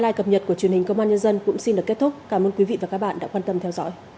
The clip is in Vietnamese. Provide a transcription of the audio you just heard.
hãy đăng ký kênh để ủng hộ kênh của mình nhé